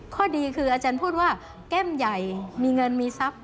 ข้อดีคืออาจารย์พูดว่าแก้มใหญ่มีเงินมีทรัพย์